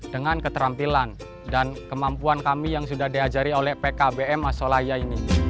dengan keterampilan dan kemampuan kami yang sudah diajari oleh pkbm asolaya ini